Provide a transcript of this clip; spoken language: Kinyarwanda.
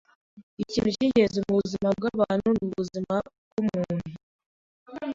Ikintu cyingenzi mubuzima bwabantu ni ubuzima bwumuntu.